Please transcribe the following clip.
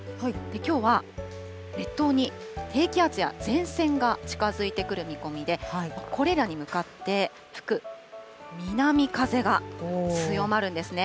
きょうは列島に低気圧や前線が近づいてくる見込みで、これらに向かって吹く南風が強まるんですね。